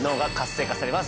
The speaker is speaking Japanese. されます